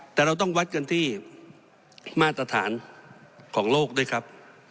แต่เราต้องวัดกันที่มาตรฐานของโลกด้วยครับ